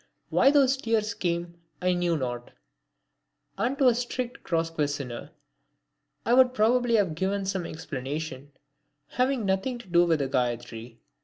Why those tears came I knew not; and to a strict cross questioner I would probably have given some explanation having nothing to do with the Gayatri.